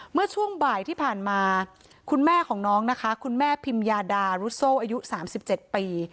เมื่อช่วงบ่ายที่ผ่านมาคุณแม่ของน้องนะคะคุณแม่พิมยาดารุโซ่อายุ๓๗ปี